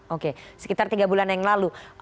oke sekitar tiga bulan yang lalu